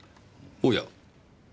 おや？